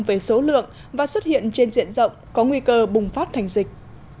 về số lượng và xuất hiện trên diện rộng có nguy cơ bùng phát thành dịch